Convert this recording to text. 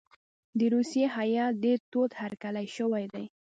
د روسیې هیات ډېر تود هرکلی شوی دی.